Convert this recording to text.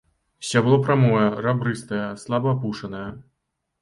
Сцябло прамое, рабрыстае, слаба апушанае.